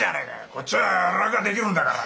こっちは楽ができるんだから。